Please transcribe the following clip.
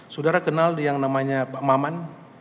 saudara kenal yang namanya pak maman